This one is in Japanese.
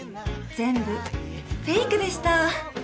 全部フェイクでした。